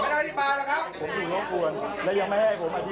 เอาคนที่เป็นคนหนีในเหตุการณ์มาดิ